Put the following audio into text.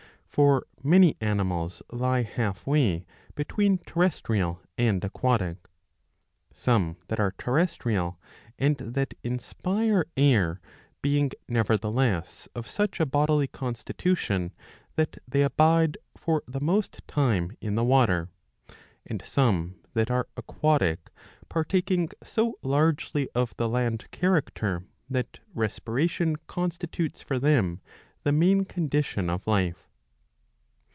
For many animals lie halfway ^ between terrestrial and aquatic ; some that are terrestrial and that inspire air being nevertheless of such a bodily constitution that they abide for the most time in the water ; and some that are aquatic partaking so largely of the land character, that respiration constitutes for them the main condition of life.